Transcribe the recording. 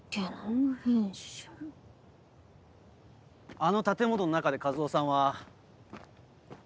あの建物の中で一魚さんは。